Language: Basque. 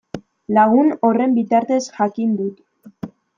Lagun horren bitartez jakin dut.